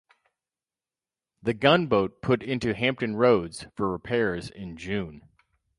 The gunboat put into Hampton Roads for repairs in June.